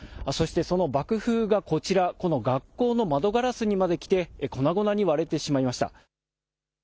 そして、その爆風がこちら、この学校の窓ガラスにまで来て粉々に割れてしまいました。